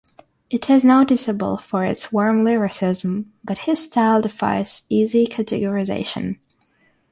It is notable for its warm lyricism, but his style defies easy categorization.